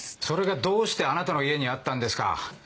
それがどうしてあなたの家にあったんですか？